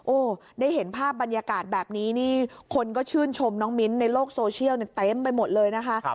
โอ้โหได้เห็นภาพบรรยากาศแบบนี้นี่คนก็ชื่นชมน้องมิ้นในโลกโซเชียลเต็มไปหมดเลยนะคะ